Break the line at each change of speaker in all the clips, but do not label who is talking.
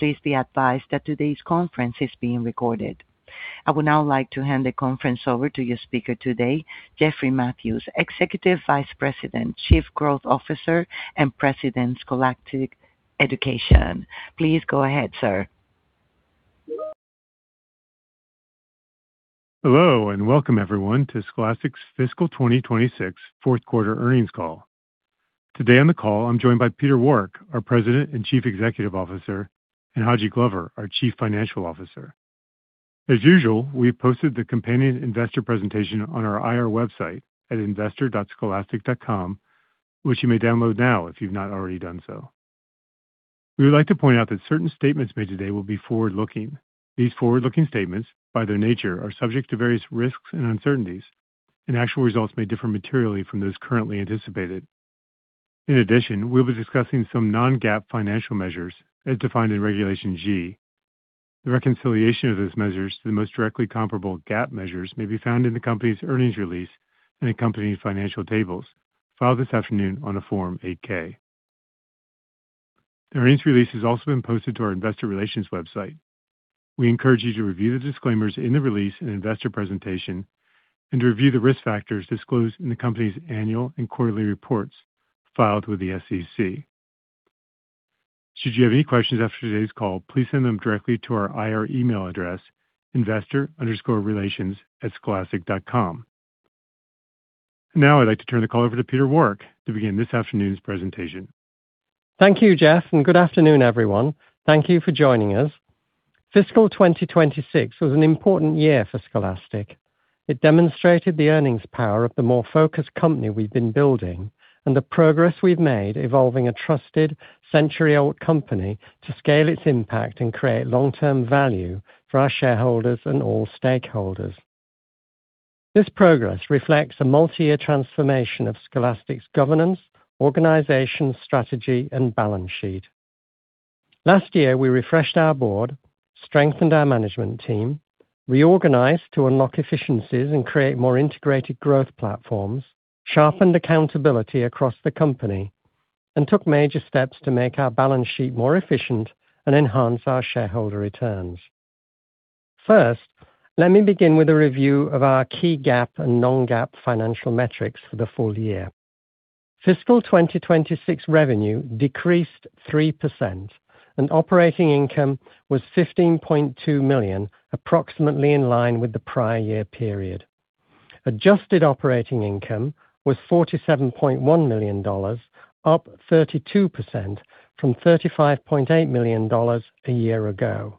Please be advised that today's conference is being recorded. I would now like to hand the conference over to your speaker today, Jeffrey Mathews, Executive Vice President, Chief Growth Officer, and President, Scholastic Education. Please go ahead, sir.
Hello, welcome everyone to Scholastic's fiscal 2026 fourth quarter earnings call. Today on the call, I'm joined by Peter Warwick, our President and Chief Executive Officer, and Haji Glover, our Chief Financial Officer. As usual, we posted the companion investor presentation on our IR website at investor.scholastic.com, which you may download now if you've not already done so. We would like to point out that certain statements made today will be forward-looking. These forward-looking statements, by their nature, are subject to various risks and uncertainties, and actual results may differ materially from those currently anticipated. In addition, we'll be discussing some non-GAAP financial measures as defined in Regulation G. The reconciliation of those measures to the most directly comparable GAAP measures may be found in the company's earnings release and accompanying financial tables filed this afternoon on a Form 8-K. The earnings release has also been posted to our investor relations website. We encourage you to review the disclaimers in the release and investor presentation and to review the risk factors disclosed in the company's annual and quarterly reports filed with the SEC. Should you have any questions after today's call, please send them directly to our IR email address, investor_relations@scholastic.com. Now I'd like to turn the call over to Peter Warwick to begin this afternoon's presentation.
Thank you, Jeff, good afternoon, everyone. Thank you for joining us. Fiscal 2026 was an important year for Scholastic. It demonstrated the earnings power of the more focused company we've been building and the progress we've made evolving a trusted, century-old company to scale its impact and create long-term value for our shareholders and all stakeholders. This progress reflects a multi-year transformation of Scholastic's governance, organization, strategy, and balance sheet. Last year, we refreshed our board, strengthened our management team, reorganized to unlock efficiencies and create more integrated growth platforms, sharpened accountability across the company, and took major steps to make our balance sheet more efficient and enhance our shareholder returns. First, let me begin with a review of our key GAAP and non-GAAP financial metrics for the full year. Fiscal 2026 revenue decreased 3%, operating income was $15.2 million, approximately in line with the prior year period. Adjusted operating income was $47.1 million, up 32% from $35.8 million a year ago.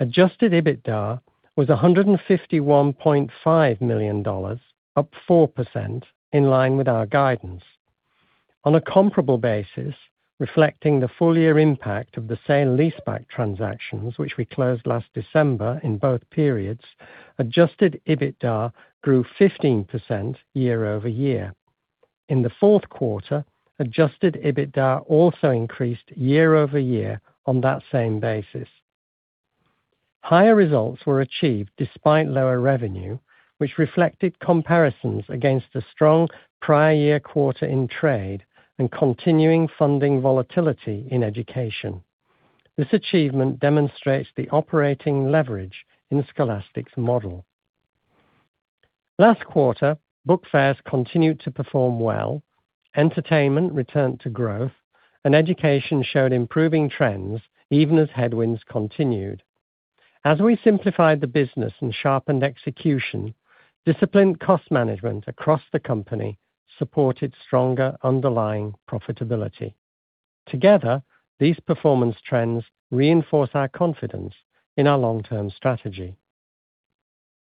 Adjusted EBITDA was $151.5 million, up 4%, in line with our guidance. On a comparable basis, reflecting the full-year impact of the sale leaseback transactions, which we closed last December in both periods, adjusted EBITDA grew 15% year-over-year. In the fourth quarter, adjusted EBITDA also increased year-over-year on that same basis. Higher results were achieved despite lower revenue, which reflected comparisons against a strong prior year quarter in trade and continuing funding volatility in education. This achievement demonstrates the operating leverage in Scholastic's model. Last quarter, book fairs continued to perform well, entertainment returned to growth, and education showed improving trends even as headwinds continued. As we simplified the business and sharpened execution, disciplined cost management across the company supported stronger underlying profitability. Together, these performance trends reinforce our confidence in our long-term strategy.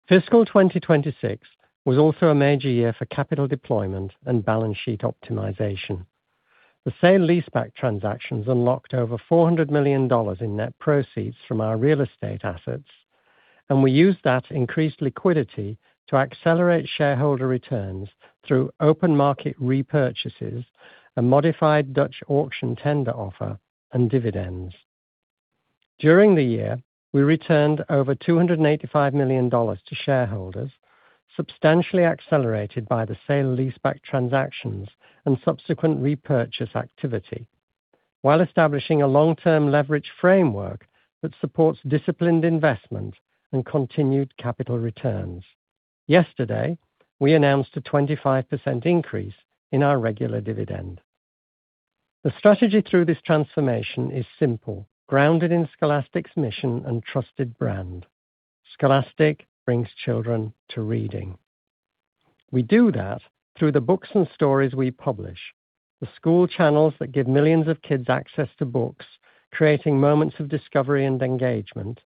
Fiscal 2026 was also a major year for capital deployment and balance sheet optimization. The sale leaseback transactions unlocked over $400 million in net proceeds from our real estate assets, and we used that increased liquidity to accelerate shareholder returns through open market repurchases and modified Dutch auction tender offer and dividends. During the year, we returned over $285 million to shareholders, substantially accelerated by the sale leaseback transactions and subsequent repurchase activity while establishing a long-term leverage framework that supports disciplined investment and continued capital returns. Yesterday, we announced a 25% increase in our regular dividend. The strategy through this transformation is simple, grounded in Scholastic's mission and trusted brand. Scholastic brings children to reading. We do that through the books and stories we publish, the school channels that give millions of kids access to books, creating moments of discovery and engagement,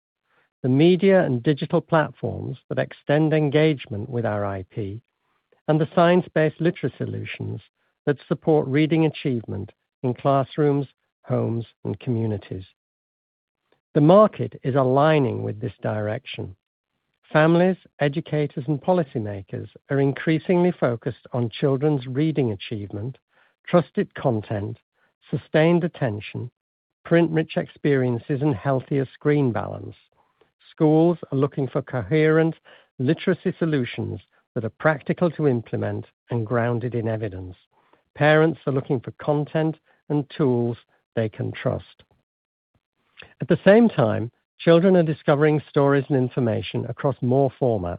the media and digital platforms that extend engagement with our IP, and the science-based literacy solutions that support reading achievement in classrooms, homes, and communities. The market is aligning with this direction. Families, educators, and policymakers are increasingly focused on children's reading achievement, trusted content, sustained attention, print-rich experiences, and healthier screen balance. Schools are looking for coherent literacy solutions that are practical to implement and grounded in evidence. Parents are looking for content and tools they can trust. At the same time, children are discovering stories and information across more formats,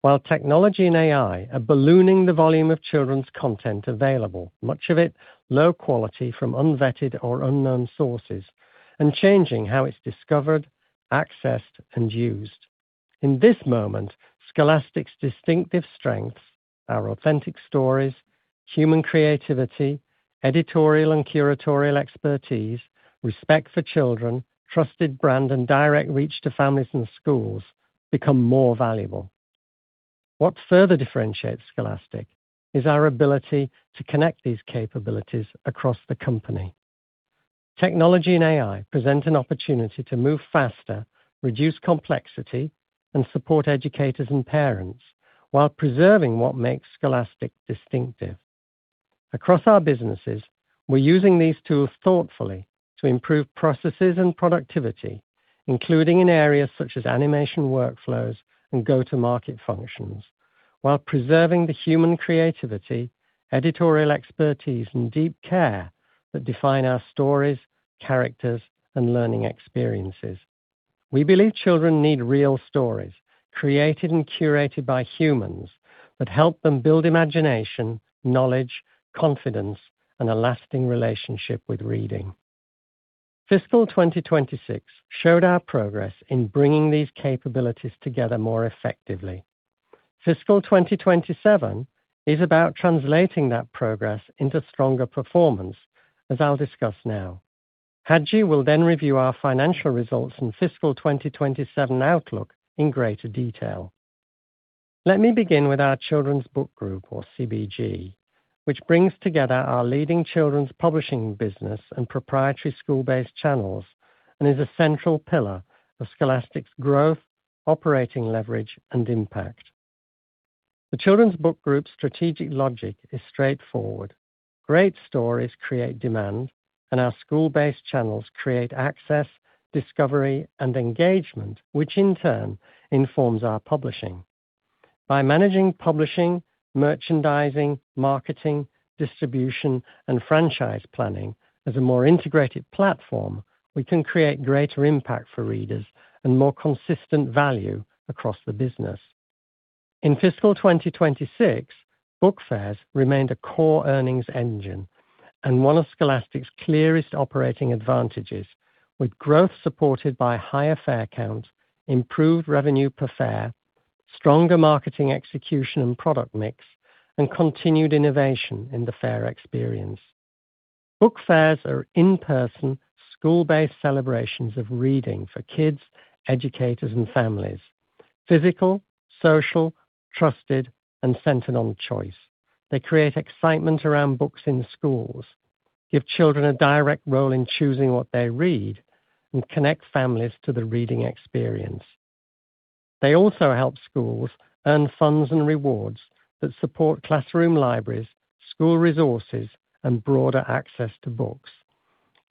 while technology and AI are ballooning the volume of children's content available, much of it low quality from unvetted or unknown sources, and changing how it's discovered, accessed, and used. In this moment, Scholastic's distinctive strengths, our authentic stories, human creativity, editorial and curatorial expertise, respect for children, trusted brand, and direct reach to families and schools become more valuable. What further differentiates Scholastic is our ability to connect these capabilities across the company. Technology and AI present an opportunity to move faster, reduce complexity, and support educators and parents while preserving what makes Scholastic distinctive. Across our businesses, we're using these tools thoughtfully to improve processes and productivity, including in areas such as animation workflows and go-to-market functions, while preserving the human creativity, editorial expertise, and deep care that define our stories, characters, and learning experiences. We believe children need real stories, created and curated by humans, that help them build imagination, knowledge, confidence, and a lasting relationship with reading. Fiscal 2026 showed our progress in bringing these capabilities together more effectively. Fiscal 2027 is about translating that progress into stronger performance, as I'll discuss now. Haji will then review our financial results and fiscal 2027 outlook in greater detail. Let me begin with our Children's Book Group, or CBG, which brings together our leading children's publishing business and proprietary school-based channels and is a central pillar of Scholastic's growth, operating leverage, and impact. The Children's Book Group strategic logic is straightforward. Great stories create demand, and our school-based channels create access, discovery, and engagement, which in turn informs our publishing. By managing publishing, merchandising, marketing, distribution, and franchise planning as a more integrated platform, we can create greater impact for readers and more consistent value across the business. In fiscal 2026, book fairs remained a core earnings engine and one of Scholastic's clearest operating advantages, with growth supported by higher fair count, improved revenue per fair, stronger marketing execution and product mix, and continued innovation in the fair experience. Book fairs are in-person, school-based celebrations of reading for kids, educators, and families. Physical, social, trusted, and centered on choice. They create excitement around books in schools, give children a direct role in choosing what they read, and connect families to the reading experience. They also help schools earn funds and rewards that support classroom libraries, school resources, and broader access to books.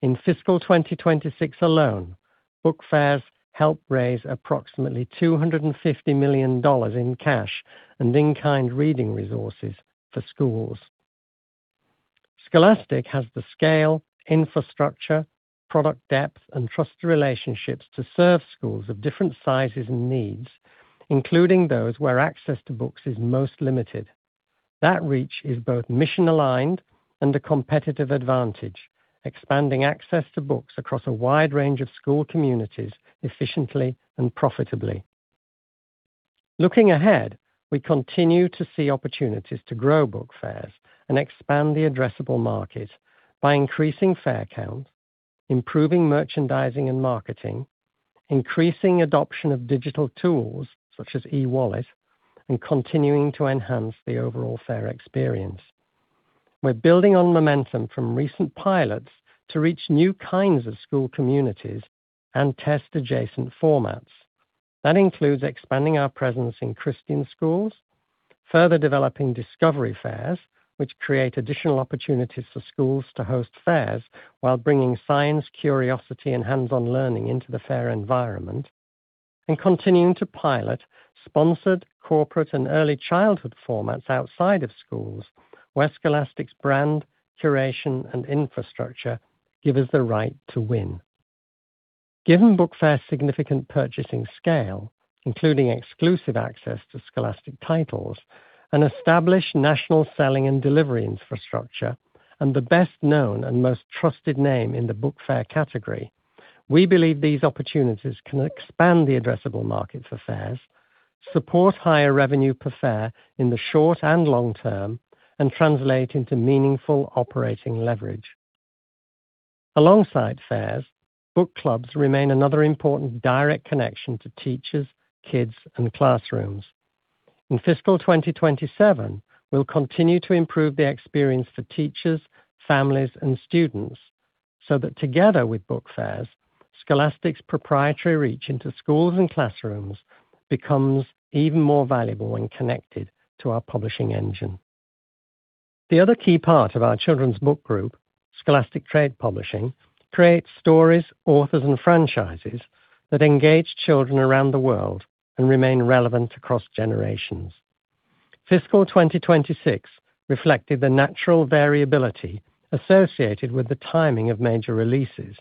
In fiscal 2026 alone, book fairs helped raise approximately $250 million in cash and in-kind reading resources for schools. Scholastic has the scale, infrastructure, product depth, and trusted relationships to serve schools of different sizes and needs, including those where access to books is most limited. That reach is both mission-aligned and a competitive advantage, expanding access to books across a wide range of school communities efficiently and profitably. Looking ahead, we continue to see opportunities to grow book fairs and expand the addressable market by increasing fair count, improving merchandising and marketing, increasing adoption of digital tools such as eWallet, and continuing to enhance the overall fair experience. We're building on momentum from recent pilots to reach new kinds of school communities and test adjacent formats. That includes expanding our presence in Christian schools, further developing discovery fairs, which create additional opportunities for schools to host fairs while bringing science, curiosity, and hands-on learning into the fair environment, and continuing to pilot sponsored corporate and early childhood formats outside of schools where Scholastic's brand, curation, and infrastructure give us the right to win. Given book fairs' significant purchasing scale, including exclusive access to Scholastic titles, an established national selling and delivery infrastructure, and the best-known and most trusted name in the book fair category, we believe these opportunities can expand the addressable market for fairs, support higher revenue per fair in the short and long term, and translate into meaningful operating leverage. Alongside fairs, book clubs remain another important direct connection to teachers, kids, and classrooms. In fiscal 2027, we'll continue to improve the experience for teachers, families, and students so that together with book fairs, Scholastic's proprietary reach into schools and classrooms becomes even more valuable when connected to our publishing engine. The other key part of our Children's Book Group, Scholastic Trade Publishing, creates stories, authors, and franchises that engage children around the world and remain relevant across generations. Fiscal 2026 reflected the natural variability associated with the timing of major releases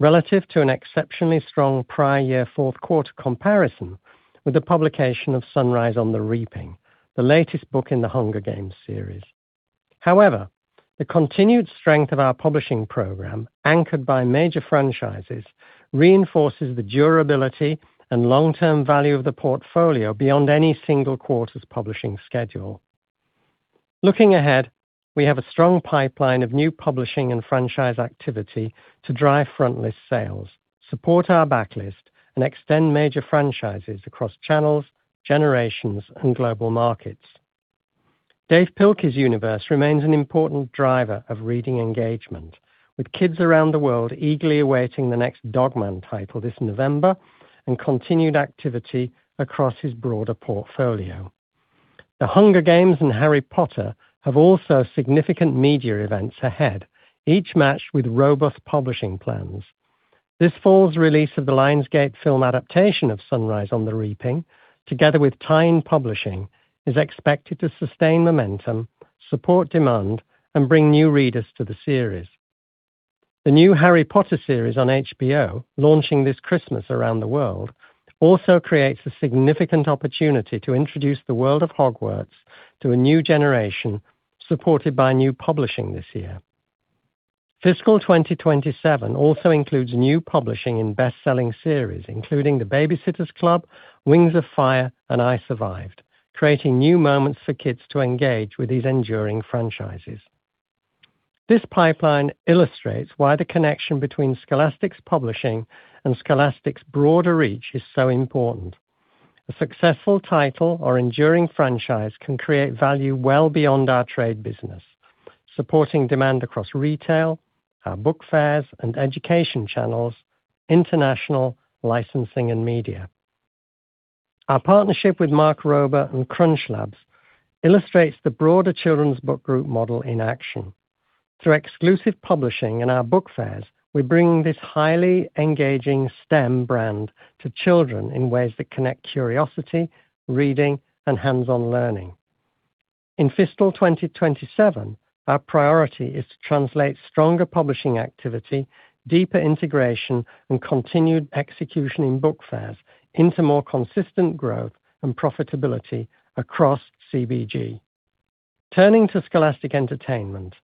relative to an exceptionally strong prior year fourth quarter comparison with the publication of "Sunrise on the Reaping," the latest book in "The Hunger Games" series. The continued strength of our publishing program, anchored by major franchises, reinforces the durability and long-term value of the portfolio beyond any single quarter's publishing schedule. Looking ahead, we have a strong pipeline of new publishing and franchise activity to drive frontlist sales, support our backlist, and extend major franchises across channels, generations, and global markets. Dav Pilkey's universe remains an important driver of reading engagement, with kids around the world eagerly awaiting the next "Dog Man" title this November and continued activity across his broader portfolio. "The Hunger Games" and "Harry Potter" have also significant media events ahead, each matched with robust publishing plans. This fall's release of the Lionsgate film adaptation of "Sunrise on the Reaping," together with tie-in publishing is expected to sustain momentum, support demand, and bring new readers to the series. The new "Harry Potter" series on HBO, launching this Christmas around the world, also creates a significant opportunity to introduce the world of Hogwarts to a new generation, supported by new publishing this year. Fiscal 2027 also includes new publishing in best-selling series, including "The Baby-Sitters Club," "Wings of Fire," and "I Survived," creating new moments for kids to engage with these enduring franchises. This pipeline illustrates why the connection between Scholastic's publishing and Scholastic's broader reach is so important. A successful title or enduring franchise can create value well beyond our trade business, supporting demand across retail, our book fairs and education channels, international licensing, and media. Our partnership with Mark Rober and CrunchLabs illustrates the broader Children's Book Group model in action. Through exclusive publishing in our book fairs, we bring this highly engaging STEM brand to children in ways that connect curiosity, reading, and hands-on learning. In Fiscal 2027, our priority is to translate stronger publishing activity, deeper integration, and continued execution in book fairs into more consistent growth and profitability across CBG. Turning to Scholastic Entertainment.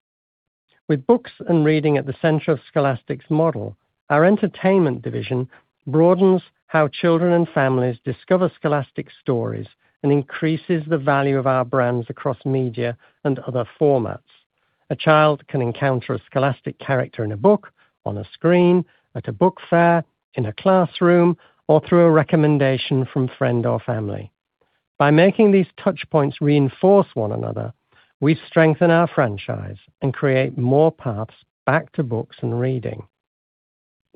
With books and reading at the center of Scholastic's model, our entertainment division broadens how children and families discover Scholastic stories and increases the value of our brands across media and other formats. A child can encounter a Scholastic character in a book, on a screen, at a book fair, in a classroom, or through a recommendation from friend or family. By making these touchpoints reinforce one another, we strengthen our franchise and create more paths back to books and reading.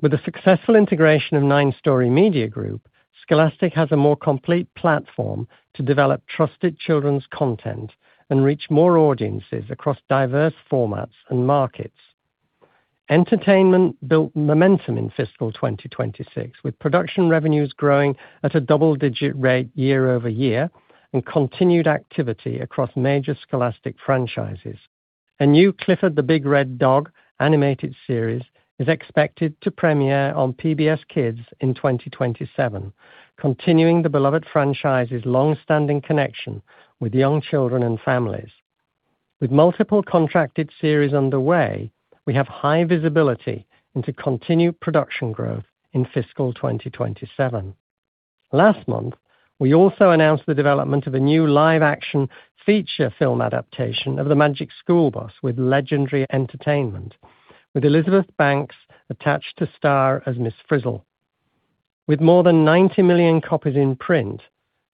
With the successful integration of 9 Story Media Group, Scholastic has a more complete platform to develop trusted children's content and reach more audiences across diverse formats and markets. Entertainment built momentum in fiscal 2026, with production revenues growing at a double-digit rate year-over-year and continued activity across major Scholastic franchises. A new "Clifford the Big Red Dog" animated series is expected to premiere on PBS KIDS in 2027, continuing the beloved franchise's longstanding connection with young children and families. With multiple contracted series underway, we have high visibility into continued production growth in Fiscal 2027. Last month, we also announced the development of a new live-action feature film adaptation of "The Magic School Bus" with Legendary Entertainment, with Elizabeth Banks attached to star as Ms. Frizzle. With more than 90 million copies in print,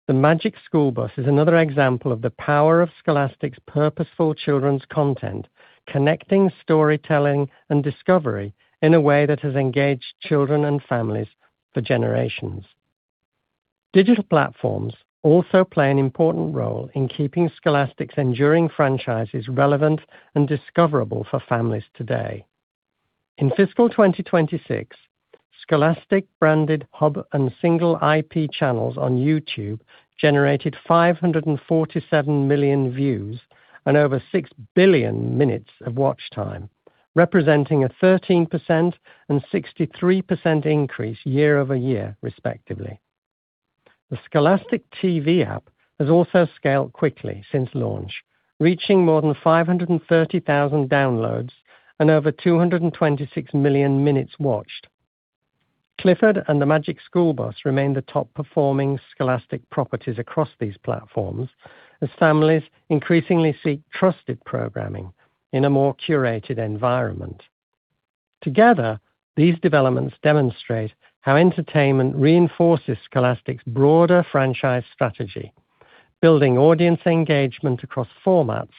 The Magic School Bus is another example of the power of Scholastic's purposeful children's content, connecting storytelling and discovery in a way that has engaged children and families for generations. Digital platforms also play an important role in keeping Scholastic's enduring franchises relevant and discoverable for families today. In FY 2026, Scholastic-branded hub and single IP channels on YouTube generated 547 million views and over 6 billion minutes of watch time, representing a 13% and 63% increase year-over-year, respectively. The Scholastic TV app has also scaled quickly since launch, reaching more than 530,000 downloads and over 226 million minutes watched. Clifford and The Magic School Bus remain the top-performing Scholastic properties across these platforms, as families increasingly seek trusted programming in a more curated environment. Together, these developments demonstrate how entertainment reinforces Scholastic's broader franchise strategy, building audience engagement across formats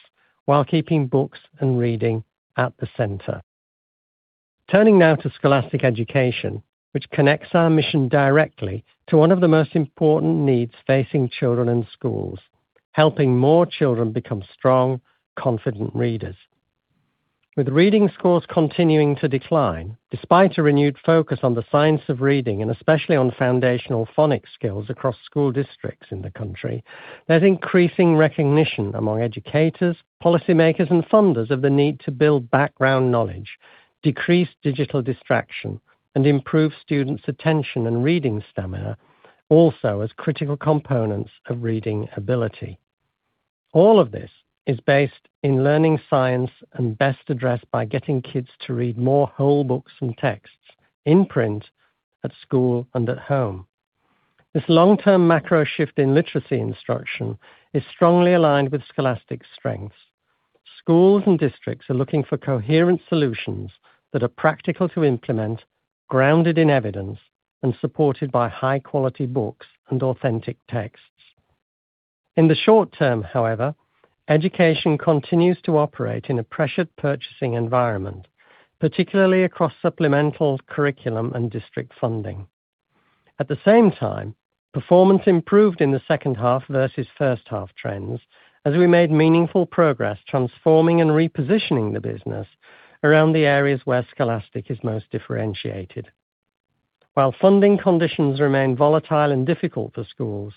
while keeping books and reading at the center. Turning now to Scholastic Education, which connects our mission directly to one of the most important needs facing children in schools, helping more children become strong, confident readers. With reading scores continuing to decline, despite a renewed focus on the science of reading and especially on foundational phonics skills across school districts in the country, there's increasing recognition among educators, policymakers, and funders of the need to build background knowledge, decrease digital distraction, and improve students' attention and reading stamina, also as critical components of reading ability. All of this is based in learning science and best addressed by getting kids to read more whole books and texts in print, at school and at home. This long-term macro shift in literacy instruction is strongly aligned with Scholastic's strengths. Schools and districts are looking for coherent solutions that are practical to implement, grounded in evidence, and supported by high-quality books and authentic texts. In the short term, education continues to operate in a pressured purchasing environment, particularly across supplemental curriculum and district funding. At the same time, performance improved in the second half versus first-half trends as we made meaningful progress transforming and repositioning the business around the areas where Scholastic is most differentiated. While funding conditions remain volatile and difficult for schools,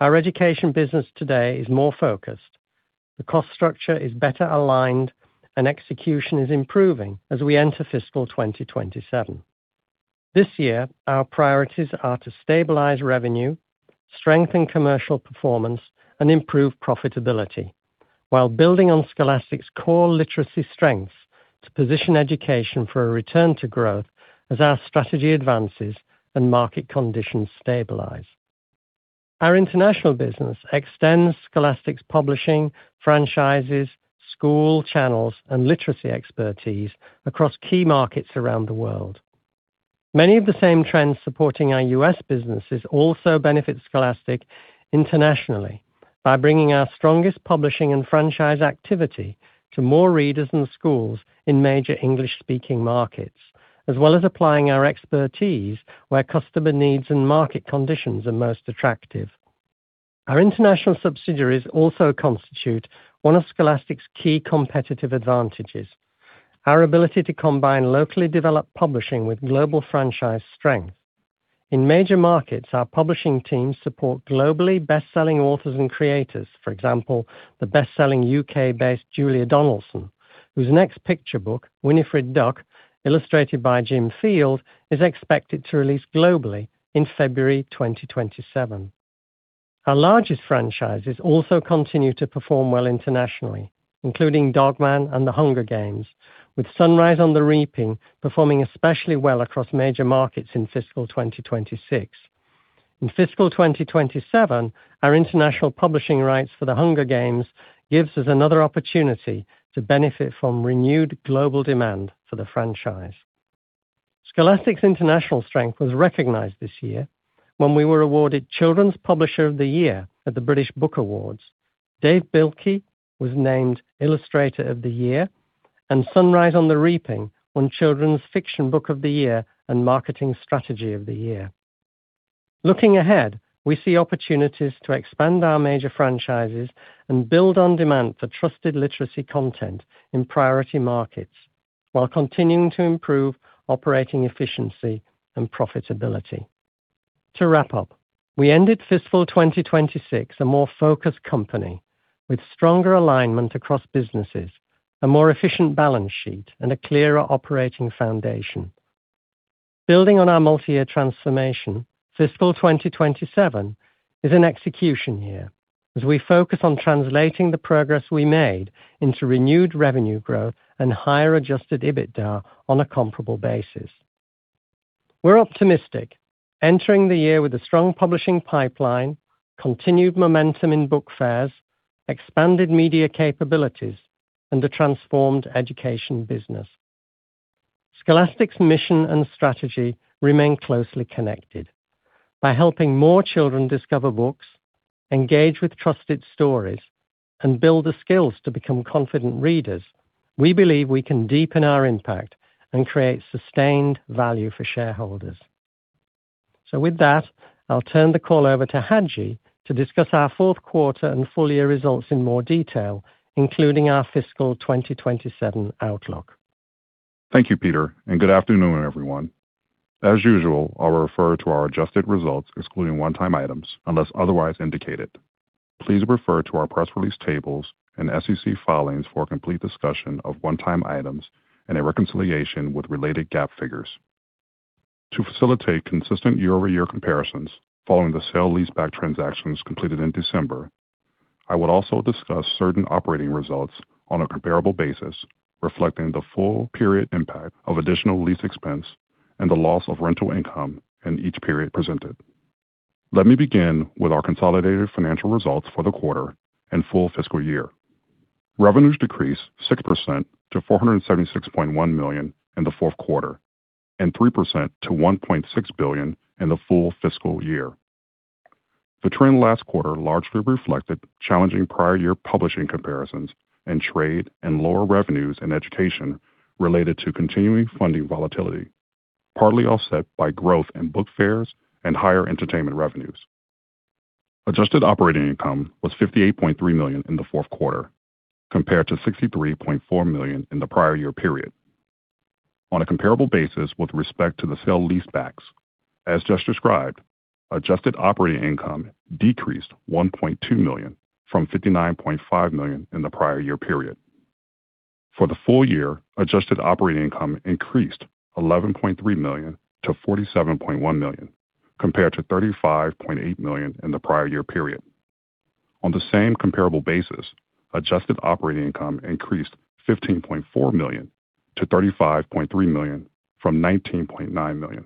our education business today is more focused. The cost structure is better aligned, and execution is improving as we enter FY 2027. This year, our priorities are to stabilize revenue, strengthen commercial performance, and improve profitability while building on Scholastic's core literacy strengths to position education for a return to growth as our strategy advances and market conditions stabilize. Our international business extends Scholastic's publishing, franchises, school channels, and literacy expertise across key markets around the world. Many of the same trends supporting our U.S. businesses also benefit Scholastic internationally by bringing our strongest publishing and franchise activity to more readers and schools in major English-speaking markets, as well as applying our expertise where customer needs and market conditions are most attractive. Our international subsidiaries also constitute one of Scholastic's key competitive advantages, our ability to combine locally developed publishing with global franchise strength. In major markets, our publishing teams support globally bestselling authors and creators. For example, the bestselling U.K.-based Julia Donaldson, whose next picture book, "Winifred Duck," illustrated by Jim Field, is expected to release globally in February 2027. Our largest franchises also continue to perform well internationally, including "Dog Man" and "The Hunger Games," with "Sunrise on the Reaping" performing especially well across major markets in fiscal 2026. In fiscal 2027, our international publishing rights for "The Hunger Games" gives us another opportunity to benefit from renewed global demand for the franchise. Scholastic's international strength was recognized this year when we were awarded Children's Publisher of the Year at the British Book Awards. Dav Pilkey was named Illustrator of the Year, and "Sunrise on the Reaping" won Children's Fiction Book of the Year and Marketing Strategy of the Year. Looking ahead, we see opportunities to expand our major franchises and build on demand for trusted literacy content in priority markets while continuing to improve operating efficiency and profitability. To wrap up, we ended fiscal 2026 a more focused company with stronger alignment across businesses, a more efficient balance sheet, and a clearer operating foundation. Building on our multi-year transformation, fiscal 2027 is an execution year as we focus on translating the progress we made into renewed revenue growth and higher adjusted EBITDA on a comparable basis. We're optimistic entering the year with a strong publishing pipeline, continued momentum in book fairs, expanded media capabilities, and a transformed education business. Scholastic's mission and strategy remain closely connected. By helping more children discover books, engage with trusted stories, and build the skills to become confident readers, we believe we can deepen our impact and create sustained value for shareholders. With that, I'll turn the call over to Haji to discuss our fourth quarter and full-year results in more detail, including our fiscal 2027 outlook.
Thank you, Peter, and good afternoon, everyone. As usual, I'll refer to our adjusted results, excluding one-time items unless otherwise indicated. Please refer to our press release tables and SEC filings for a complete discussion of one-time items and a reconciliation with related GAAP figures. To facilitate consistent year-over-year comparisons following the sale leaseback transactions completed in December, I will also discuss certain operating results on a comparable basis, reflecting the full period impact of additional lease expense and the loss of rental income in each period presented. Let me begin with our consolidated financial results for the quarter and full fiscal year. Revenues decreased 6% to $476.1 million in the fourth quarter and 3% to $1.6 billion in the full fiscal year. The trend last quarter largely reflected challenging prior year publishing comparisons in trade and lower revenues in education related to continuing funding volatility, partly offset by growth in Book Fairs and higher entertainment revenues. Adjusted operating income was $58.3 million in the fourth quarter, compared to $63.4 million in the prior year period. On a comparable basis with respect to the sale-leasebacks, as just described, adjusted operating income decreased $1.2 million from $59.5 million in the prior year period. For the full year, adjusted operating income increased $11.3 million to $47.1 million, compared to $35.8 million in the prior year period. On the same comparable basis, adjusted operating income increased $15.4 million to $35.3 million from $19.9 million.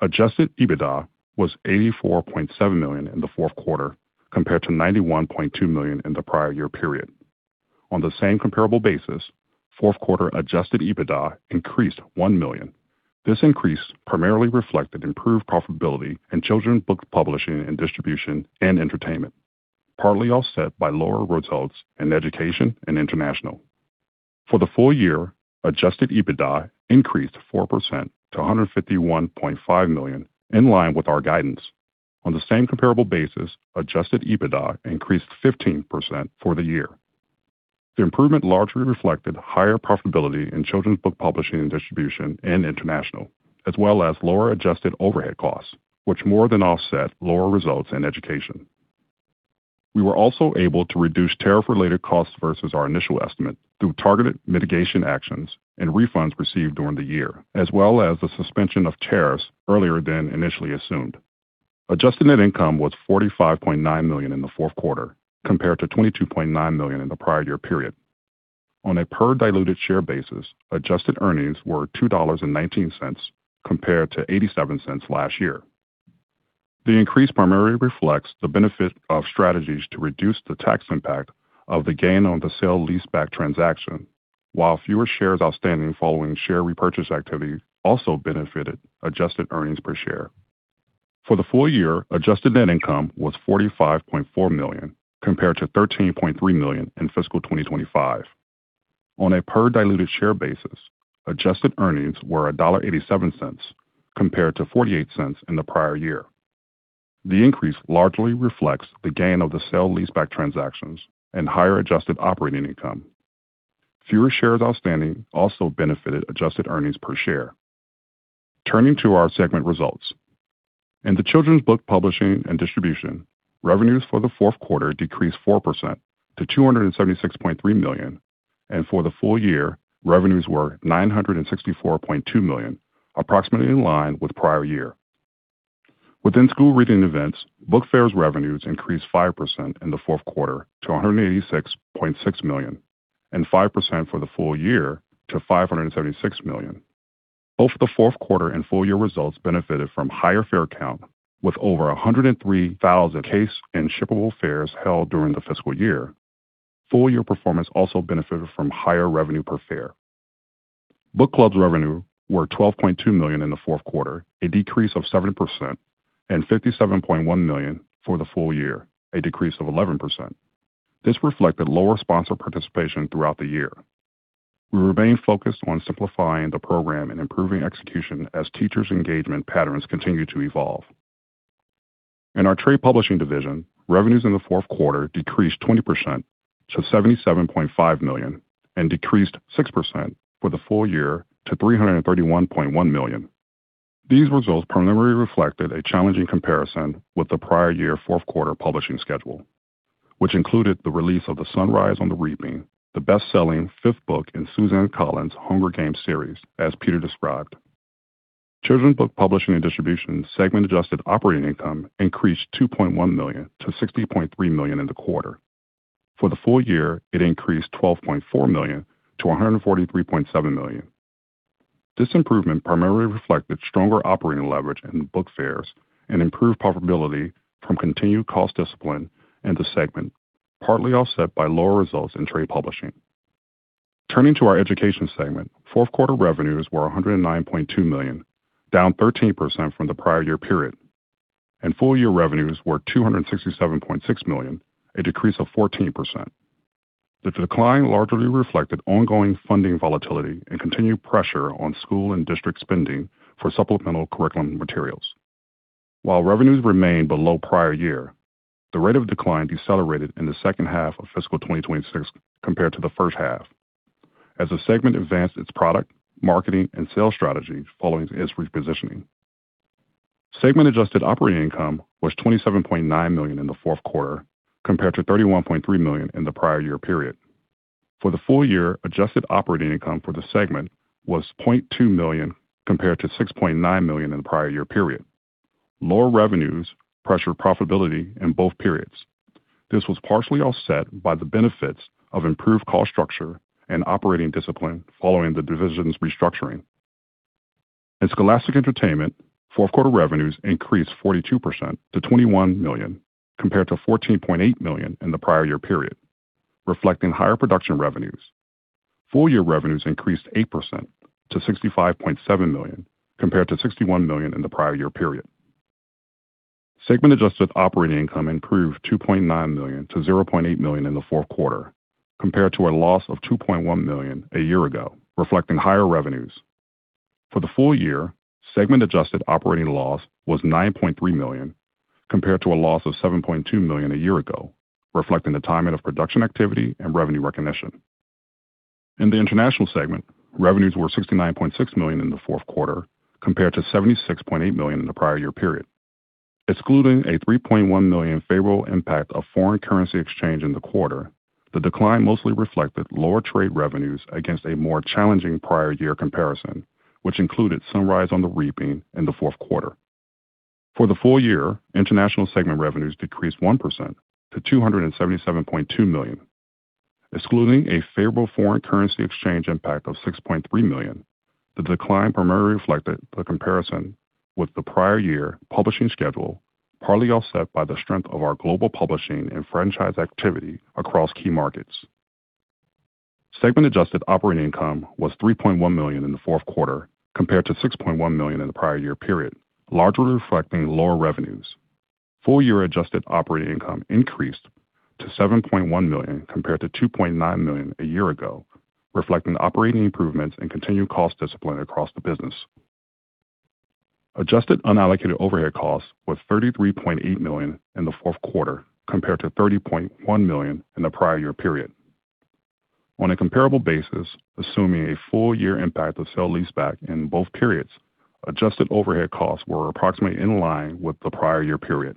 Adjusted EBITDA was $84.7 million in the fourth quarter, compared to $91.2 million in the prior year period. On the same comparable basis, fourth quarter adjusted EBITDA increased $1 million. This increase primarily reflected improved profitability in children's book publishing and distribution and entertainment, partly offset by lower results in education and international. For the full year, adjusted EBITDA increased 4% to $151.5 million, in line with our guidance. On the same comparable basis, adjusted EBITDA increased 15% for the year. The improvement largely reflected higher profitability in children's book publishing and distribution and international, as well as lower adjusted overhead costs, which more than offset lower results in education. We were also able to reduce tariff-related costs versus our initial estimate through targeted mitigation actions and refunds received during the year, as well as the suspension of tariffs earlier than initially assumed. Adjusted net income was $45.9 million in the fourth quarter, compared to $22.9 million in the prior year period. On a per diluted share basis, adjusted earnings were $2.19 compared to $0.87 last year. The increase primarily reflects the benefit of strategies to reduce the tax impact of the gain on the sale-leaseback transaction, while fewer shares outstanding following share repurchase activity also benefited adjusted earnings per share. For the full year, adjusted net income was $45.4 million, compared to $13.3 million in FY 2025. On a per diluted share basis, adjusted earnings were $1.87 compared to $0.48 in the prior year. The increase largely reflects the gain of the sale-leaseback transactions and higher adjusted operating income. Fewer shares outstanding also benefited adjusted earnings per share. Turning to our segment results. In the children's book publishing and distribution, revenues for the fourth quarter decreased 4% to $276.3 million, and for the full year, revenues were $964.2 million, approximately in line with prior year. Within school reading events, Book Fairs revenues increased 5% in the fourth quarter to $186.6 million, and 5% for the full year to $576 million. Both the fourth quarter and full year results benefited from higher fair count, with over 103,000 case and shippable fairs held during the fiscal year. Full year performance also benefited from higher revenue per fair. Book Clubs revenue were $12.2 million in the fourth quarter, a decrease of 70%, and $57.1 million for the full year, a decrease of 11%. This reflected lower sponsor participation throughout the year. We remain focused on simplifying the program and improving execution as teachers' engagement patterns continue to evolve. In our Trade Publishing division, revenues in the fourth quarter decreased 20% to $77.5 million and decreased 6% for the full year to $331.1 million. These results primarily reflected a challenging comparison with the prior year fourth quarter publishing schedule, which included the release of the "Sunrise on the Reaping," the best-selling fifth book in Suzanne Collins' "Hunger Games" series, as Peter described. Children's book publishing and distribution segment adjusted operating income increased $2.1 million-$60.3 million in the quarter. For the full year, it increased $12.4 million to $143.7 million. This improvement primarily reflected stronger operating leverage in book fairs and improved profitability from continued cost discipline in the segment, partly offset by lower results in Trade Publishing. Turning to our education segment, fourth quarter revenues were $109.2 million, down 13% from the prior year period, and full year revenues were $267.6 million, a decrease of 14%. The decline largely reflected ongoing funding volatility and continued pressure on school and district spending for supplemental curriculum materials. While revenues remained below prior year, the rate of decline decelerated in the second half of fiscal 2026 compared to the first half, as the segment advanced its product, marketing, and sales strategy following its repositioning. Segment adjusted operating income was $27.9 million in the fourth quarter, compared to $31.3 million in the prior year period. For the full year, adjusted operating income for the segment was $0.2 million compared to $6.9 million in the prior year period. Lower revenues pressured profitability in both periods. This was partially offset by the benefits of improved cost structure and operating discipline following the division's restructuring. In Scholastic Entertainment, fourth quarter revenues increased 42% to $21 million, compared to $14.8 million in the prior year period, reflecting higher production revenues. Full-year revenues increased 8% to $65.7 million, compared to $61 million in the prior year period. Segment adjusted operating income improved $2.9 million to $0.8 million in the fourth quarter compared to a loss of $2.1 million a year ago, reflecting higher revenues. For the full year, segment adjusted operating loss was $9.3 million compared to a loss of $7.2 million a year ago, reflecting the timing of production activity and revenue recognition. In the international segment, revenues were $69.6 million in the fourth quarter compared to $76.8 million in the prior year period. Excluding a $3.1 million favorable impact of foreign currency exchange in the quarter, the decline mostly reflected lower Trade revenues against a more challenging prior year comparison, which included "Sunrise on the Reaping" in the fourth quarter. For the full year, international segment revenues decreased 1% to $277.2 million. Excluding a favorable foreign currency exchange impact of $6.3 million, the decline primarily reflected the comparison with the prior year publishing schedule, partly offset by the strength of our global publishing and franchise activity across key markets. Segment adjusted operating income was $3.1 million in the fourth quarter compared to $6.1 million in the prior year period, largely reflecting lower revenues. Full year adjusted operating income increased to $7.1 million compared to $2.9 million a year ago, reflecting operating improvements and continued cost discipline across the business. Adjusted unallocated overhead costs was $33.8 million in the fourth quarter compared to $30.1 million in the prior year period. On a comparable basis, assuming a full year impact of sale-leaseback in both periods, adjusted overhead costs were approximately in line with the prior year period.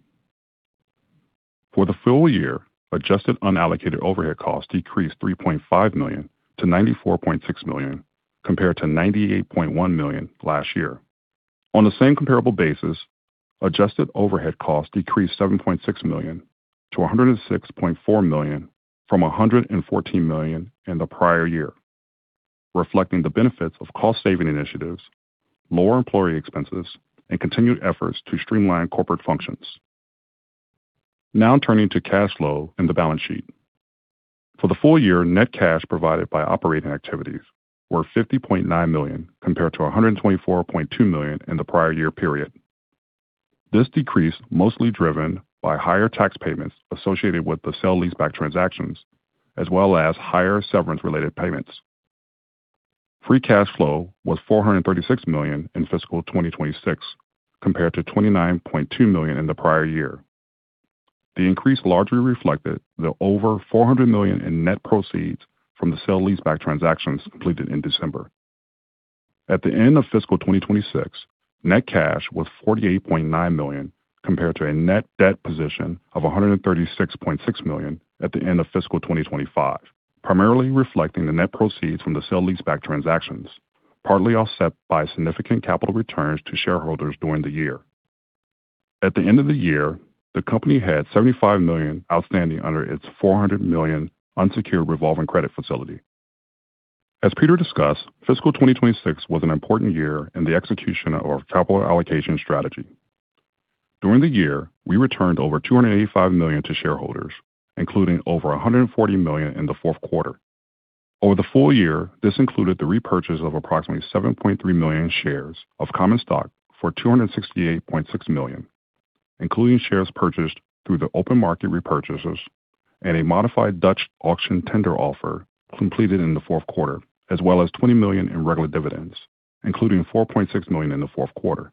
For the full year, adjusted unallocated overhead costs decreased $3.5 million to $94.6 million, compared to $98.1 million last year. On the same comparable basis, adjusted overhead costs decreased $7.6 million to $106.4 million from $114 million in the prior year, reflecting the benefits of cost-saving initiatives, lower employee expenses, and continued efforts to streamline corporate functions. Now turning to cash flow and the balance sheet. For the full year, net cash provided by operating activities were $50.9 million compared to $124.2 million in the prior year period. This decrease mostly driven by higher tax payments associated with the sale-leaseback transactions as well as higher severance-related payments. Free cash flow was $436 million in fiscal 2026 compared to $29.2 million in the prior year. The increase largely reflected the over $400 million in net proceeds from the sale-leaseback transactions completed in December. At the end of fiscal 2026, net cash was $48.9 million compared to a net debt position of $136.6 million at the end of fiscal 2025, primarily reflecting the net proceeds from the sale-leaseback transactions, partly offset by significant capital returns to shareholders during the year. At the end of the year, the company had $75 million outstanding under its $400 million unsecured revolving credit facility. As Peter discussed, fiscal 2026 was an important year in the execution of capital allocation strategy. During the year, we returned over $285 million to shareholders, including over $140 million in the fourth quarter. Over the full year, this included the repurchase of approximately 7.3 million shares of common stock for $268.6 million, including shares purchased through the open market repurchases and a modified Dutch auction tender offer completed in the fourth quarter, as well as $20 million in regular dividends, including $4.6 million in the fourth quarter.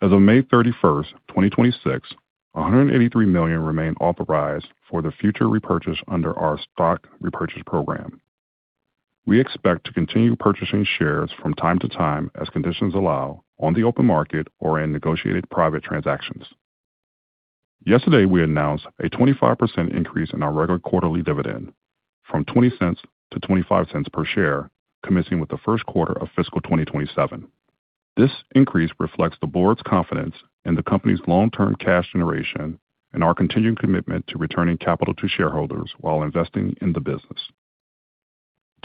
As of May 31st, 2026, $183 million remain authorized for the future repurchase under our stock repurchase program. We expect to continue purchasing shares from time to time as conditions allow on the open market or in negotiated private transactions. Yesterday, we announced a 25% increase in our regular quarterly dividend from $0.20 to $0.25 per share commencing with the first quarter of fiscal 2027. This increase reflects the board's confidence in the company's long-term cash generation and our continuing commitment to returning capital to shareholders while investing in the business.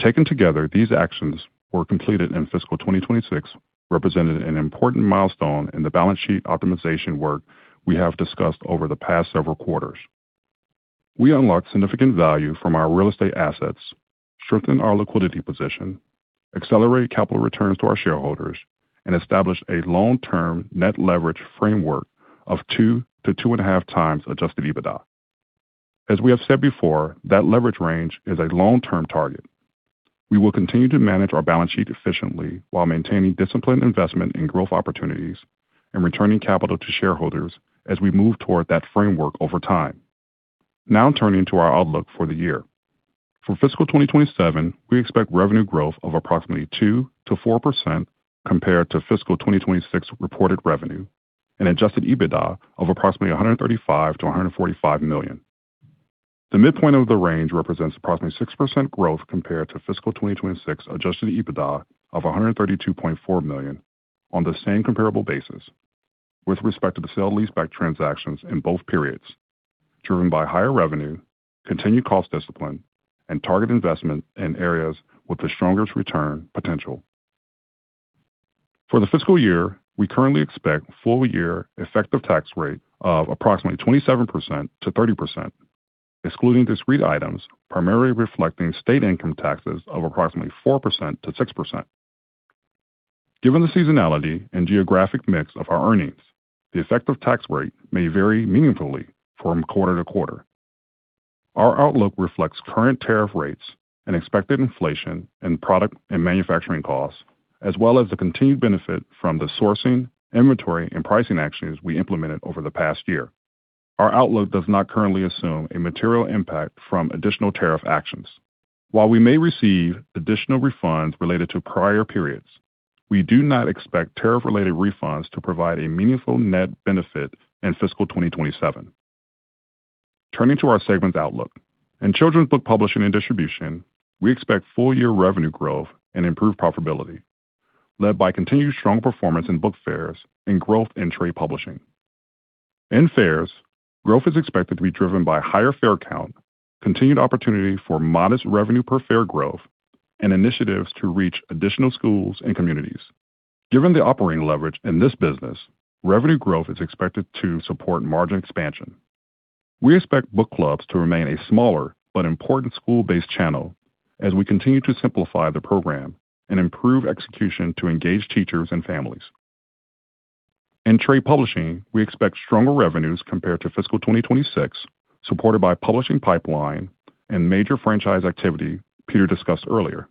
Taken together, these actions were completed in fiscal 2026 represented an important milestone in the balance sheet optimization work we have discussed over the past several quarters. We unlocked significant value from our real estate assets, strengthened our liquidity position, accelerated capital returns to our shareholders, and established a long-term net leverage framework of 2x to 2.5x adjusted EBITDA. As we have said before, that leverage range is a long-term target. We will continue to manage our balance sheet efficiently while maintaining disciplined investment in growth opportunities and returning capital to shareholders as we move toward that framework over time. Now turning to our outlook for the year. For fiscal 2027, we expect revenue growth of approximately 2%-4% compared to fiscal 2026 reported revenue and adjusted EBITDA of approximately $135 million-$145 million. The midpoint of the range represents approximately 6% growth compared to fiscal 2026 adjusted EBITDA of $132.4 million on the same comparable basis with respect to the sale-leaseback transactions in both periods, driven by higher revenue, continued cost discipline, and target investment in areas with the strongest return potential. For the fiscal year, we currently expect full-year effective tax rate of approximately 27%-30%, excluding discrete items, primarily reflecting state income taxes of approximately 4%-6%. Given the seasonality and geographic mix of our earnings, the effective tax rate may vary meaningfully from quarter to quarter. Our outlook reflects current tariff rates and expected inflation in product and manufacturing costs, as well as the continued benefit from the sourcing, inventory, and pricing actions we implemented over the past year. Our outlook does not currently assume a material impact from additional tariff actions. While we may receive additional refunds related to prior periods, we do not expect tariff-related refunds to provide a meaningful net benefit in fiscal 2027. Turning to our segments outlook. In children's book publishing and distribution, we expect full-year revenue growth and improved profitability, led by continued strong performance in Book Fairs and growth in Trade Publishing. In Fairs, growth is expected to be driven by higher fair count, continued opportunity for modest revenue per fair growth, and initiatives to reach additional schools and communities. Given the operating leverage in this business, revenue growth is expected to support margin expansion. We expect Book Clubs to remain a smaller but important school-based channel as we continue to simplify the program and improve execution to engage teachers and families. In Trade Publishing, we expect stronger revenues compared to fiscal 2026, supported by publishing pipeline and major franchise activity Peter discussed earlier.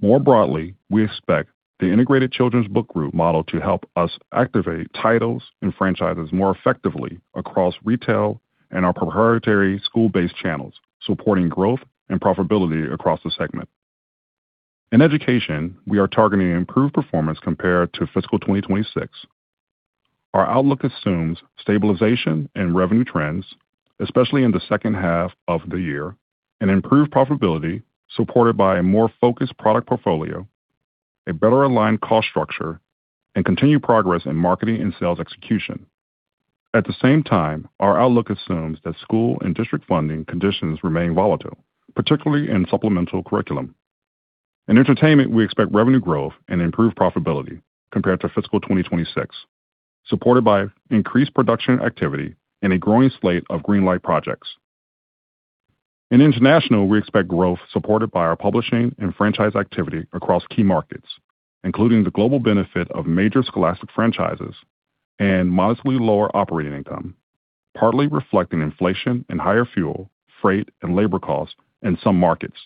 More broadly, we expect the integrated Children's Book Group model to help us activate titles and franchises more effectively across retail and our proprietary school-based channels, supporting growth and profitability across the segment. In Education, we are targeting improved performance compared to fiscal 2026. Our outlook assumes stabilization in revenue trends, especially in the second half of the year, and improved profitability supported by a more focused product portfolio, a better aligned cost structure, and continued progress in marketing and sales execution. At the same time, our outlook assumes that school and district funding conditions remain volatile, particularly in supplemental curriculum. In Entertainment, we expect revenue growth and improved profitability compared to fiscal 2026, supported by increased production activity and a growing slate of greenlight projects. In International, we expect growth supported by our publishing and franchise activity across key markets, including the global benefit of major Scholastic franchises and modestly lower operating income, partly reflecting inflation and higher fuel, freight, and labor costs in some markets.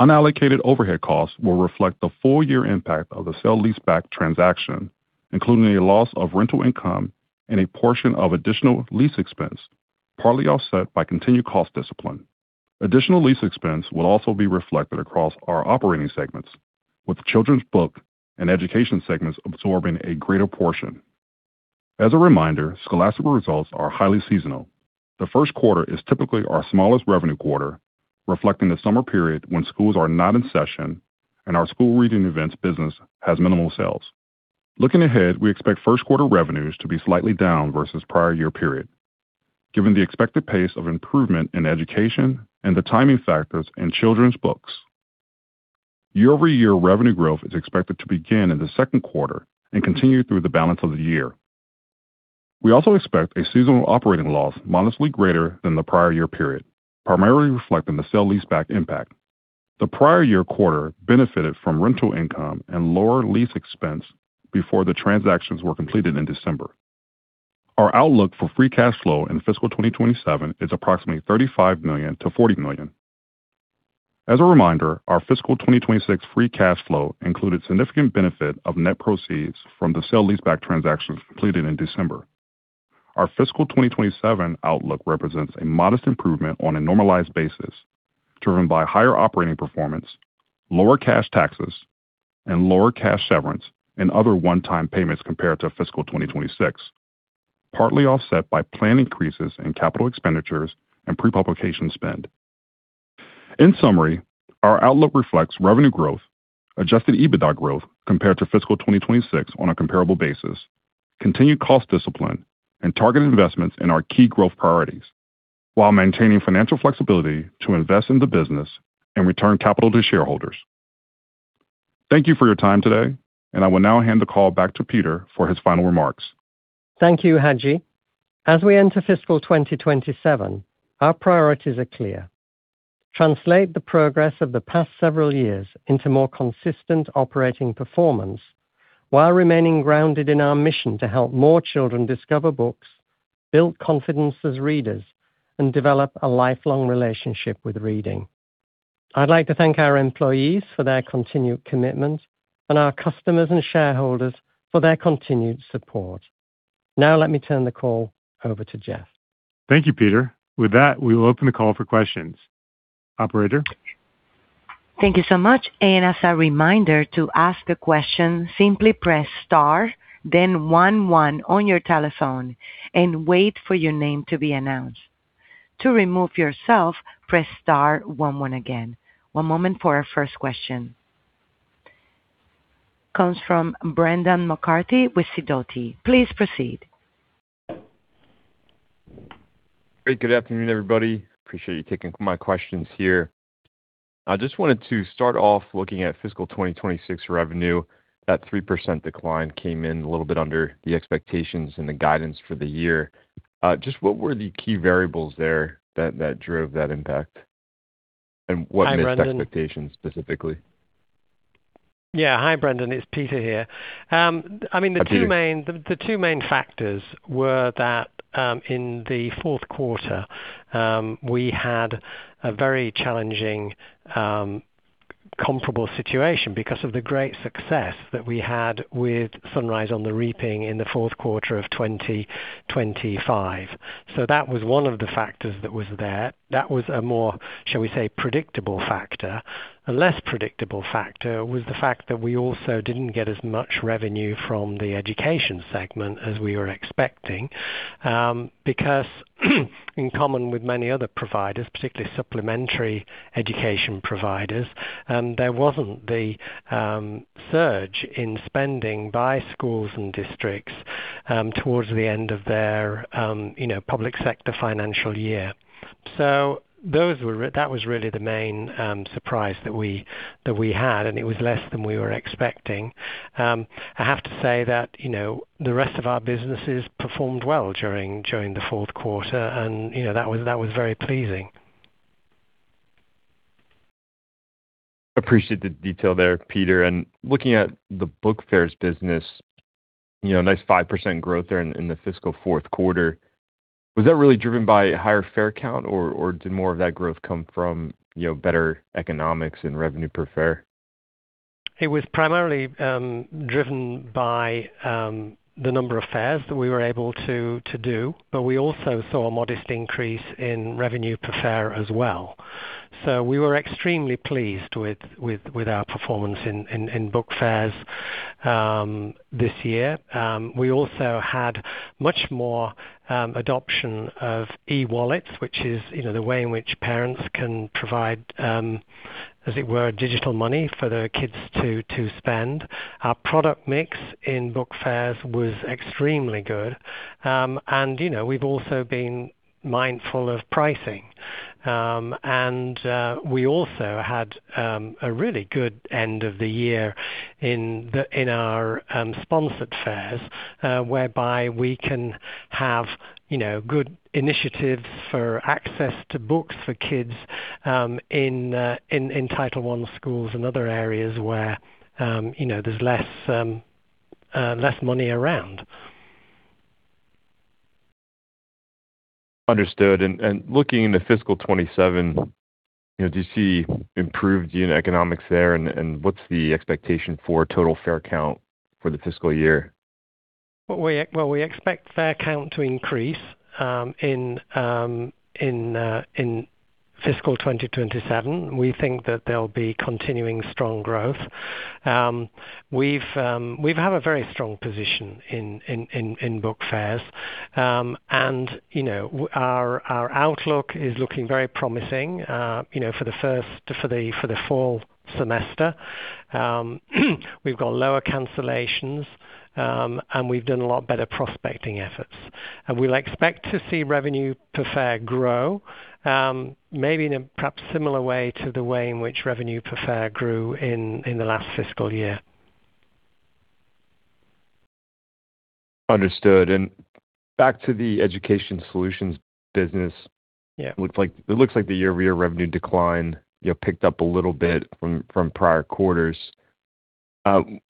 Unallocated overhead costs will reflect the full year impact of the sale-leaseback transaction, including a loss of rental income and a portion of additional lease expense, partly offset by continued cost discipline. Additional lease expense will also be reflected across our operating segments, with Children's Book Group and Education segments absorbing a greater portion. As a reminder, Scholastic results are highly seasonal. The first quarter is typically our smallest revenue quarter, reflecting the summer period when schools are not in session and our school reading events business has minimal sales. Looking ahead, we expect first quarter revenues to be slightly down versus prior year period, given the expected pace of improvement in education and the timing factors in children's books. Year-over-year revenue growth is expected to begin in the second quarter and continue through the balance of the year. We also expect a seasonal operating loss modestly greater than the prior year period, primarily reflecting the sell leaseback impact. The prior year quarter benefited from rental income and lower lease expense before the transactions were completed in December. Our outlook for free cash flow in fiscal 2027 is approximately $35 million-$40 million. As a reminder, our fiscal 2026 free cash flow included significant benefit of net proceeds from the sell leaseback transactions completed in December. Our fiscal 2027 outlook represents a modest improvement on a normalized basis, driven by higher operating performance, lower cash taxes, and lower cash severance and other one-time payments compared to fiscal 2026, partly offset by planned increases in capital expenditures and pre-publication spend. In summary, our outlook reflects revenue growth, adjusted EBITDA growth compared to fiscal 2026 on a comparable basis, continued cost discipline, and targeted investments in our key growth priorities while maintaining financial flexibility to invest in the business and return capital to shareholders. Thank you for your time today, and I will now hand the call back to Peter for his final remarks.
Thank you, Haji. As we enter fiscal 2027, our priorities are clear. Translate the progress of the past several years into more consistent operating performance while remaining grounded in our mission to help more children discover books, build confidence as readers, and develop a lifelong relationship with reading. I'd like to thank our employees for their continued commitment and our customers and shareholders for their continued support. Now let me turn the call over to Jeff.
Thank you, Peter. With that, we will open the call for questions. Operator?
Thank you so much. As a reminder, to ask a question, simply press star, then one on your telephone and wait for your name to be announced. To remove yourself, press star one again. One moment for our first question. Comes from Brendan McCarthy with Sidoti. Please proceed.
Hey, good afternoon, everybody. Appreciate you taking my questions here. I just wanted to start off looking at fiscal 2026 revenue. That 3% decline came in a little bit under the expectations and the guidance for the year. Just what were the key variables there that drove that impact.
Hi, Brendan
What missed expectations specifically?
Yeah. Hi, Brendan. It's Peter here.
Hi, Peter.
The two main factors were that, in the fourth quarter, we had a very challenging comparable situation because of the great success that we had with Sunrise on the Reaping in the fourth quarter of 2025. That was one of the factors that was there. That was a more, shall we say, predictable factor. A less predictable factor was the fact that we also didn't get as much revenue from the education segment as we were expecting, because in common with many other providers, particularly supplementary education providers, there wasn't the surge in spending by schools and districts towards the end of their public sector financial year. That was really the main surprise that we had, and it was less than we were expecting. I have to say that the rest of our businesses performed well during the fourth quarter, and that was very pleasing.
Appreciate the detail there, Peter. Looking at the book fairs business, nice 5% growth there in the fiscal fourth quarter. Was that really driven by higher fair count, or did more of that growth come from better economics and revenue per fair?
It was primarily driven by the number of fairs that we were able to do, we also saw a modest increase in revenue per fair as well. We were extremely pleased with our performance in book fairs this year. We also had much more adoption of eWallet, which is the way in which parents can provide, as it were, digital money for their kids to spend. Our product mix in book fairs was extremely good. We've also been mindful of pricing. We also had a really good end of the year in our sponsored fairs, whereby we can have good initiatives for access to books for kids in Title I schools and other areas where there's less money around.
Understood. Looking into fiscal 2027, do you see improved unit economics there, and what's the expectation for total fair count for the fiscal year?
Well, we expect fair count to increase in fiscal 2027. We think that there'll be continuing strong growth. We have a very strong position in book fairs. Our outlook is looking very promising for the fall semester. We've got lower cancellations, and we've done a lot better prospecting efforts. We'll expect to see revenue per fair grow, maybe in a perhaps similar way to the way in which revenue per fair grew in the last fiscal year.
Understood. Back to the education solutions business.
Yeah.
It looks like the year-over-year revenue decline picked up a little bit from prior quarters.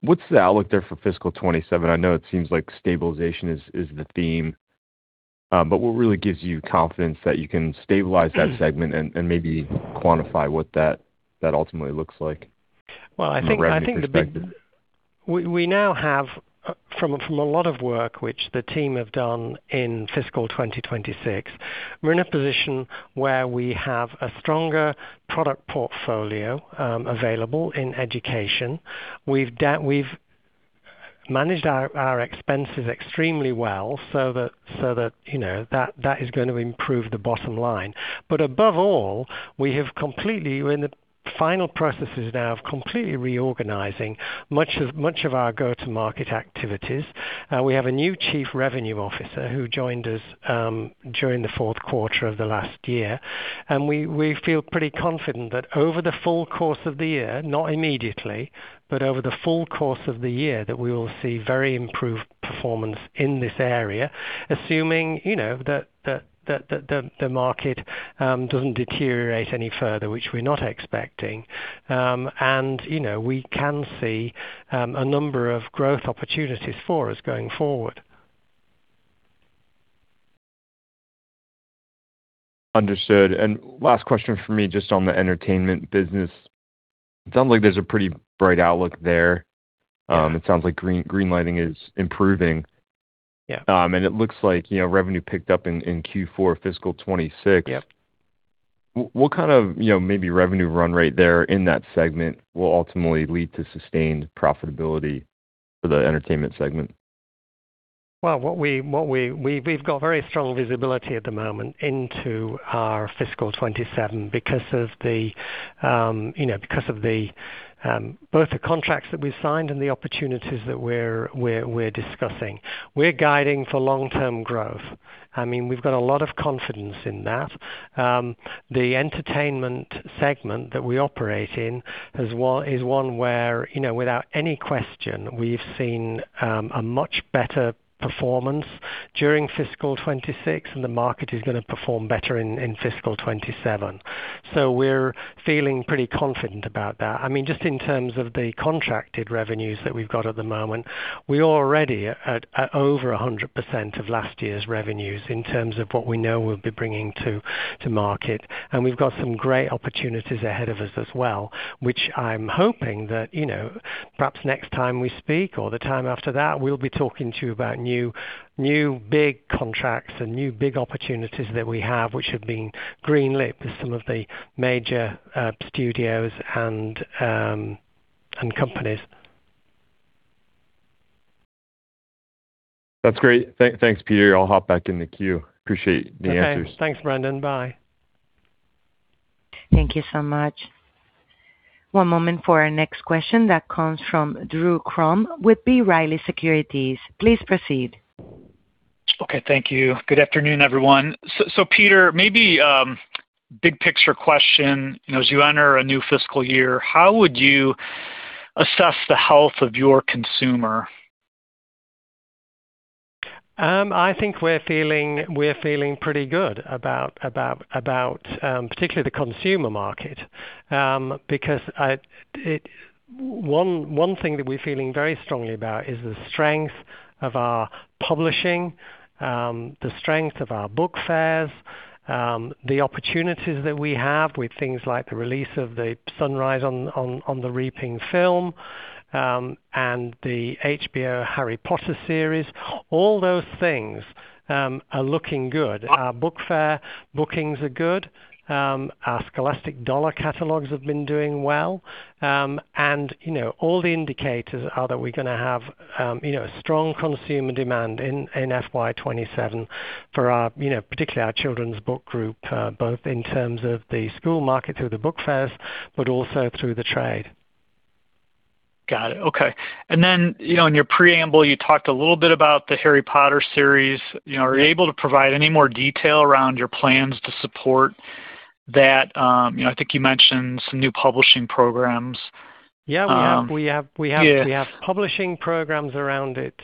What's the outlook there for fiscal 2027? I know it seems like stabilization is the theme. What really gives you confidence that you can stabilize that segment and maybe quantify what that ultimately looks like from a revenue perspective?
We now have, from a lot of work, which the team have done in fiscal 2026, we're in a position where we have a stronger product portfolio available in education. We've managed our expenses extremely well. That is going to improve the bottom line. Above all, we're in the final processes now of completely reorganizing much of our go-to market activities. We have a new Chief Revenue Officer who joined us during the fourth quarter of the last year. We feel pretty confident that over the full course of the year, not immediately, but over the full course of the year, that we will see very improved performance in this area, assuming that the market doesn't deteriorate any further, which we're not expecting. We can see a number of growth opportunities for us going forward.
Understood. Last question from me, just on the entertainment business. It sounds like there's a pretty bright outlook there. It sounds like green lighting is improving.
Yeah.
It looks like revenue picked up in Q4 fiscal 2026.
Yep.
What kind of maybe revenue run rate there in that segment will ultimately lead to sustained profitability for the entertainment segment?
Well, we've got very strong visibility at the moment into our fiscal 2027 because of both the contracts that we've signed and the opportunities that we're discussing. We're guiding for long-term growth. I mean, we've got a lot of confidence in that. The entertainment segment that we operate in is one where, without any question, we've seen a much better performance during fiscal 2026, and the market is going to perform better in fiscal 2027. We're feeling pretty confident about that. I mean, just in terms of the contracted revenues that we've got at the moment, we are already at over 100% of last year's revenues in terms of what we know we'll be bringing to market, and we've got some great opportunities ahead of us as well, which I'm hoping that perhaps next time we speak or the time after that, we'll be talking to you about new big contracts and new big opportunities that we have, which have been green-lit with some of the major studios and companies.
That's great. Thanks, Peter. I'll hop back in the queue. Appreciate the answers.
Okay. Thanks, Brendan. Bye.
Thank you so much. One moment for our next question that comes from Drew Crum with B. Riley Securities. Please proceed.
Okay, thank you. Good afternoon, everyone. Peter, maybe big-picture question, as you enter a new fiscal year, how would you assess the health of your consumer?
I think we're feeling pretty good about particularly the consumer market, because one thing that we're feeling very strongly about is the strength of our publishing, the strength of our book fairs, the opportunities that we have with things like the release of the "Sunrise on the Reaping" film, and the HBO "Harry Potter" series. All those things are looking good. Our book fair bookings are good. Our Scholastic dollar catalogs have been doing well. All the indicators are that we're going to have a strong consumer demand in FY 2027 for particularly our Children's Book Group, both in terms of the school market through the book fairs, but also through the trade.
Got it. Okay. In your preamble, you talked a little bit about the Harry Potter series. Are you able to provide any more detail around your plans to support that? I think you mentioned some new publishing programs.
Yeah.
Yes.
We have publishing programs around it,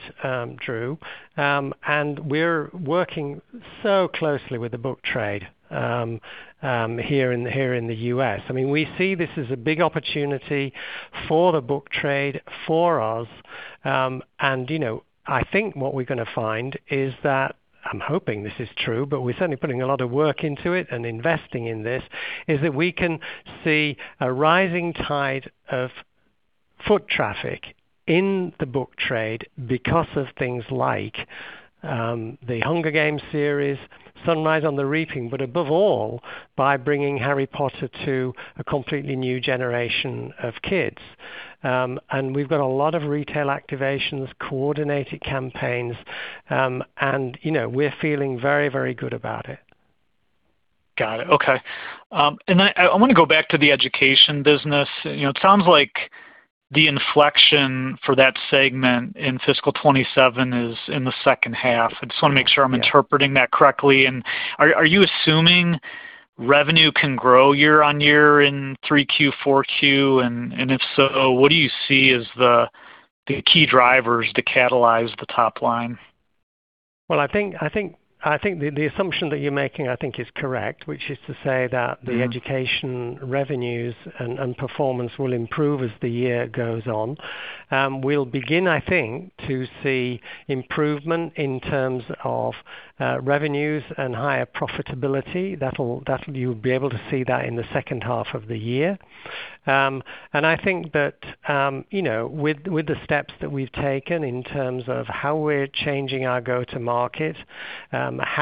Drew. We're working so closely with the book trade here in the U.S. I mean, we see this as a big opportunity for the book trade for us. I think what we're going to find is that, I'm hoping this is true, but we're certainly putting a lot of work into it and investing in this, is that we can see a rising tide of foot traffic in the book trade because of things like The Hunger Games series, Sunrise on the Reaping, but above all, by bringing Harry Potter to a completely new generation of kids. We've got a lot of retail activations, coordinated campaigns, and we're feeling very, very good about it.
Got it. Okay. I want to go back to the education business. It sounds like the inflection for that segment in fiscal 2027 is in the second half. I just want to make sure I'm interpreting that correctly. Are you assuming revenue can grow year-on-year in three Q, four Q? If so, what do you see as the key drivers to catalyze the top line?
Well, I think the assumption that you're making I think is correct, which is to say that the education revenues and performance will improve as the year goes on. We'll begin, I think, to see improvement in terms of revenues and higher profitability. You'll be able to see that in the second half of the year. I think that with the steps that we've taken in terms of how we're changing our go-to market, we've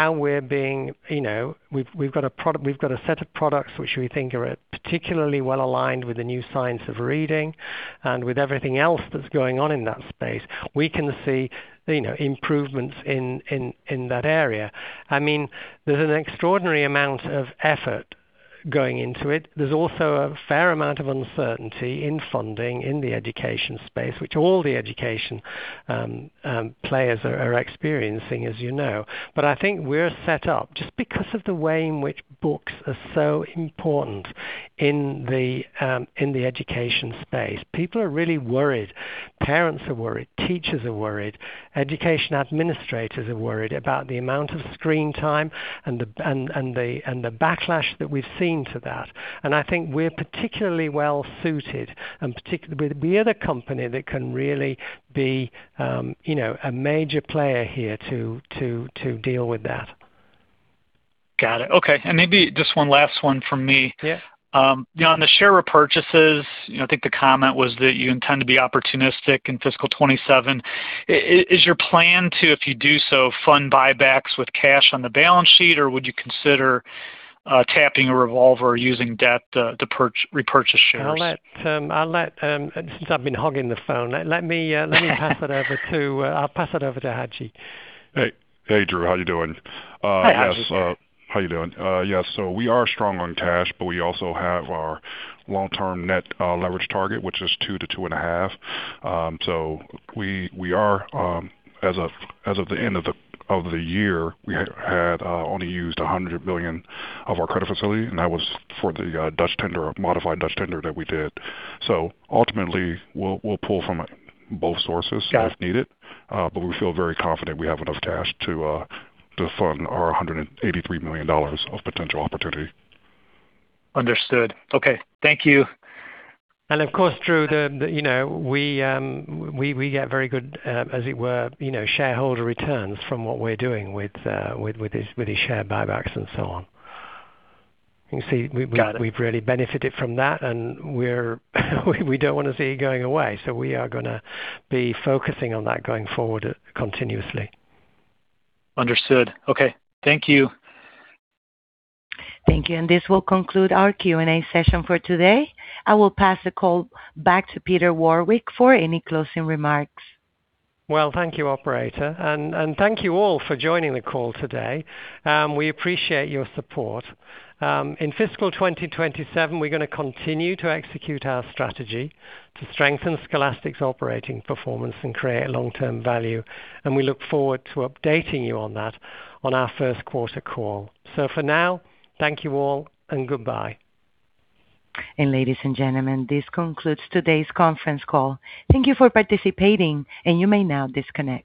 got a set of products which we think are particularly well-aligned with the new science of reading, and with everything else that's going on in that space, we can see improvements in that area. I mean, there's an extraordinary amount of effort going into it. There's also a fair amount of uncertainty in funding in the education space, which all the education players are experiencing, as you know. I think we're set up just because of the way in which books are so important in the education space. People are really worried. Parents are worried, teachers are worried, education administrators are worried about the amount of screen time and the backlash that we've seen to that. I think we're particularly well-suited, and we are the company that can really be a major player here to deal with that.
Got it. Okay, maybe just one last one from me.
Yeah.
On the share repurchases, I think the comment was that you intend to be opportunistic in fiscal 2027. Is your plan to, if you do so, fund buybacks with cash on the balance sheet, or would you consider tapping a revolver or using debt to repurchase shares?
Since I've been hogging the phone, let me pass it over to Haji.
Hey, Drew. How you doing?
Hi, Haji.
How you doing? Yeah, we are strong on cash, but we also have our long-term net leverage target, which is 2x to 2.5x. We are as of the end of the year, we had only used $100 million of our credit facility, and that was for the Dutch tender, modified Dutch tender that we did. Ultimately, we'll pull from both sources.
Got it.
If needed. We feel very confident we have enough cash to fund our $183 million of potential opportunity.
Understood. Okay. Thank you.
Of course, Drew, we get very good as it were, shareholder returns from what we're doing with the share buybacks and so on. You can see we've really benefited from that, and we don't want to see it going away. We are going to be focusing on that going forward continuously.
Understood. Okay. Thank you.
Thank you. This will conclude our Q&A session for today. I will pass the call back to Peter Warwick for any closing remarks.
Well, thank you, operator. Thank you all for joining the call today. We appreciate your support. In fiscal 2027, we're going to continue to execute our strategy to strengthen Scholastic's operating performance and create long-term value. We look forward to updating you on that on our first quarter call. For now, thank you all, goodbye.
Ladies and gentlemen, this concludes today's conference call. Thank you for participating, and you may now disconnect.